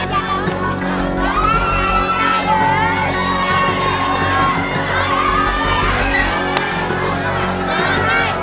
โรคไก